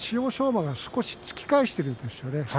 馬が少し突き返しているんですよね。